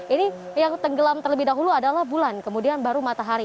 ini yang tenggelam terlebih dahulu adalah bulan kemudian baru matahari